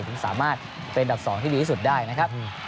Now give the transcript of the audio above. ถึงสามารถเป็นอันดับ๒ที่ดีที่สุดได้นะครับ